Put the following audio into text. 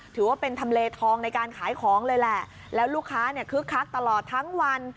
ถือว่าเป็นทำเลทองในการขายของเลยแหละแล้วลูกค้าเนี่ยคึกคักตลอดทั้งวัน